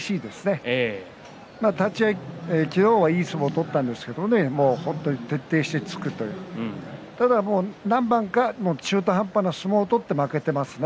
昨日は立ち合いいい相撲を取ったんですが徹底して突くという何番か中途半端な相撲を取って負けてますね。